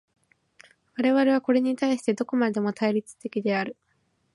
我々はこれに対してどこまでも対立的である。